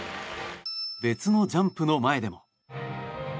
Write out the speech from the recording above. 別のジャンプの前でも。